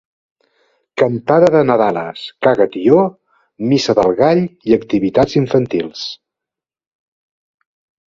Cantada de nadales, caga tió, missa del gall i activitats infantils.